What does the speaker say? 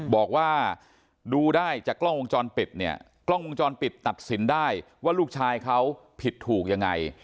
บอกว่าดูได้จากกล้องวงจรปิดเนี่ยกล้องวงจรปิดตัดสินได้ว่าลูกชายเขาผิดถูกยังไง